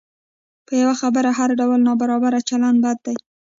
په یوه خبره هر ډول نابرابر چلند بد دی.